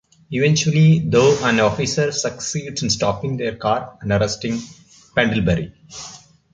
Eventually, though, an officer succeeds in stopping their car and arresting Pendlebury.